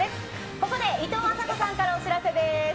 ここで、いとうあさこさんからお知らせです。